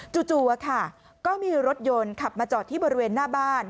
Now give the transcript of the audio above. จู่ก็มีรถยนต์ขับมาจอดที่บริเวณหน้าบ้าน